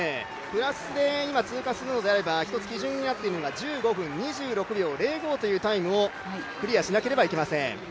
プラスで今、通過するのであれば今一つ基準になっているのが１５分２６秒０５というタイムをクリアしなければいけません。